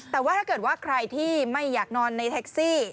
แต่ว่าถ้าเกิดว่าใครที่ไม่อยากนอนในแท็กซี่